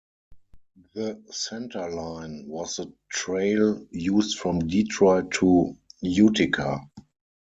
The 'center line' was the trail used from Detroit to Utica.